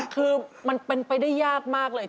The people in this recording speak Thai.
คือมันเป็นไปได้ยากมากเลย